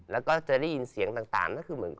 แล้วก็จะได้ยินเสียงต่าง